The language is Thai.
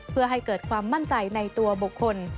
เพื่อให้เกิดความมั่นใจในตัวบุคคล